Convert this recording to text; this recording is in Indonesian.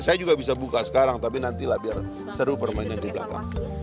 saya juga bisa buka sekarang tapi nantilah biar seru permainan di belakang